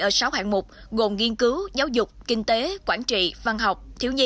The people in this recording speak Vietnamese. ở sáu hạng mục gồm nghiên cứu giáo dục kinh tế quản trị văn học thiếu nhi